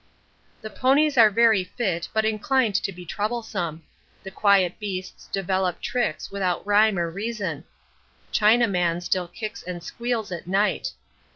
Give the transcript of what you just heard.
The ponies are very fit but inclined to be troublesome: the quiet beasts develop tricks without rhyme or reason. Chinaman still kicks and squeals at night.